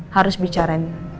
harus bicara ini